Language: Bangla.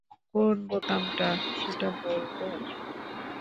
কোন বোতামটা, সেটা বলবো।